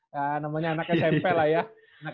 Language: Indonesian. ya namanya anak smp lah ya